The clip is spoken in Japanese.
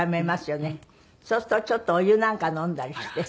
そうするとちょっとお湯なんか飲んだりして。